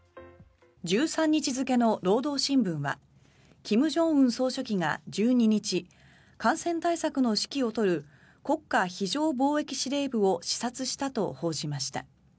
１３日付の労働新聞は金正恩総書記が１２日感染対策の指揮を執る国家非常防疫司令部を視察したと報じました。